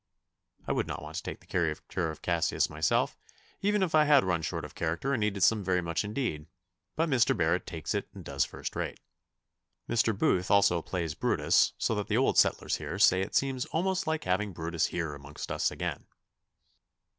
I would not want to take the character of Cassius myself, even if I had run short of character and needed some very much indeed, but Mr. Barrett takes it and does first rate. Mr. Booth also plays Brutus so that old settlers here say it seems almost like having Brutus here among us again.